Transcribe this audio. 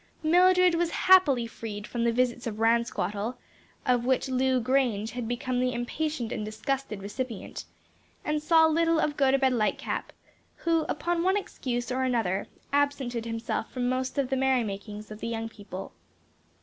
Mildred was happily freed from the visits of Ransquattle of which Lu Grange had become the impatient and disgusted recipient and saw little of Gotobed Lightcap, who, upon one excuse, or another, absented himself from most of the merry makings of the young people.